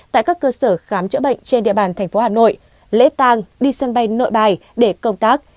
tại các cơ sở khám chữa bệnh trên địa bàn thành phố hà nội lễ tang đi sân bay nội bài để công tác